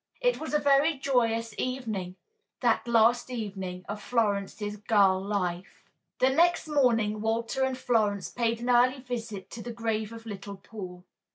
It was a very joyous evening, that last evening of Florence's girl life. The next morning Walter and Florence paid an early visit to the grave of little Paul.